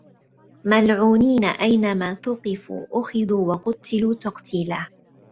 مَلعونينَ أَينَما ثُقِفوا أُخِذوا وَقُتِّلوا تَقتيلًا